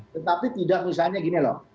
tetapi tidak misalnya gini loh